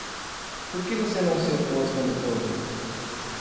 Por que você não se opôs quando pôde?